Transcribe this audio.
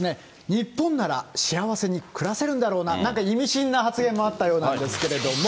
日本なら幸せに暮らせるんだろうな、なんか意味深な発言もあったようなんですけれども。